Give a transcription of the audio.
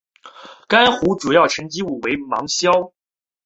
该湖的主要沉积物为芒硝。